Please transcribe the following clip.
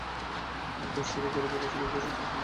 আমি কাজ শুরুর আগেই বলেছিলাম কাজটি টেকসই হবে না, ধসে যাবে।